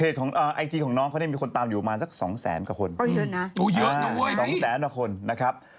ลงจากนั้นพุทธพาบการพูดคุยกัน